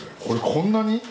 これこんなに？